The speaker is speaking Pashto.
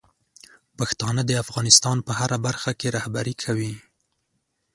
پښتانه د افغانستان په هره برخه کې رهبري کوي.